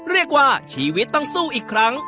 เรียกว่าชีวิตต้องสู้อีกครั้ง